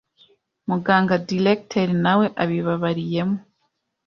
muganga directeur nawe abibabariyemo